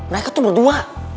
mereka tuh berdua